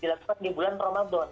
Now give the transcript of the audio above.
dilaksanakan di bulan ramadan